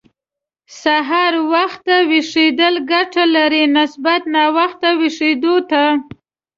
سهار وخته ويښېدل ګټه لري، نسبت ناوخته ويښېدو ته.